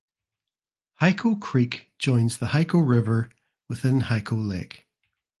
Hyco Creek joins the Hyco River within Hyco Lake.